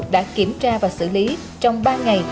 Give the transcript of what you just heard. đã kiểm tra và xử lý trong ba ngày